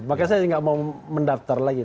maka saya tidak mau mendaftar lagi